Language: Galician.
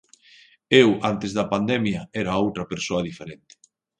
Eu antes da pandemia era outra persoa diferente.